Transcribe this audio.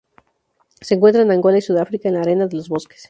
Se encuentra en Angola y Sudáfrica en la arena de los bosques.